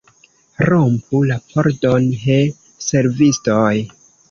Rompu la pordon, he, servistoj!